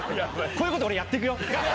こういうこと俺やって行くよ。